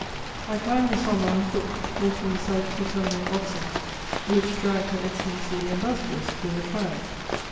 I climbed the Somma on foot, walking beside Clitumnian oxen which dragged Her Excellency the Ambassadress to her triumph.